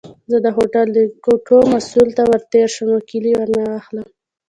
زه د هوټل د کوټو مسؤل ته ورتېر شم او کیلۍ ورنه واخلم.